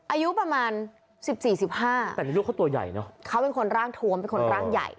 อายุประมาณสิบสี่สิบห้าแต่ลูกเขาตัวใหญ่เนอะเขาเป็นคนร่างทวมเป็นคนร่างใหญ่